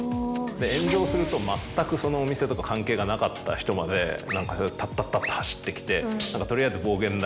炎上すると全くそのお店と関係がなかった人までタッタッタッと走ってきて取りあえず。